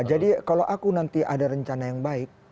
jadi kalau aku nanti ada rencana yang baik